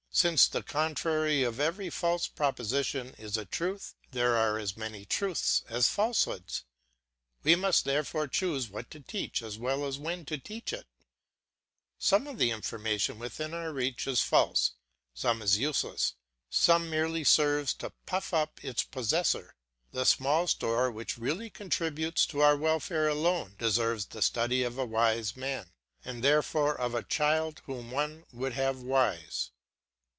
Since the contrary of every false proposition is a truth, there are as many truths as falsehoods. We must, therefore, choose what to teach as well as when to teach it. Some of the information within our reach is false, some is useless, some merely serves to puff up its possessor. The small store which really contributes to our welfare alone deserves the study of a wise man, and therefore of a child whom one would have wise.